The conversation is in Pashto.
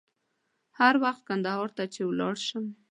هر وخت کندهار ته چې ولاړ شم.